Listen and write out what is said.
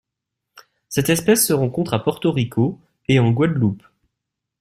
Cette espèce se rencontre à Porto Rico et en Guadeloupe.